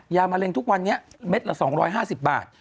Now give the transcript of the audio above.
มะเร็งทุกวันนี้เม็ดละ๒๕๐บาท